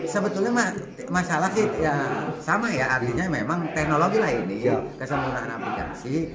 sebetulnya masalahnya sama ya artinya memang teknologi lah ini kesempatan aplikasi